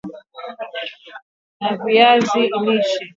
faida gani za kiafya zinatokana na viazi lishe